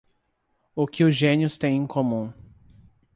O que os gênios têm em comum